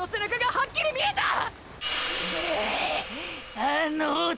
あの男！！